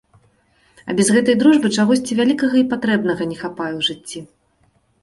А без гэтай дружбы чагосьці вялікага і патрэбнага не хапае ў жыцці.